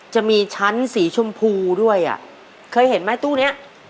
จะมีชั้นสีชมพูด้วยอ่ะเคยเห็นไหมตู้เนี้ย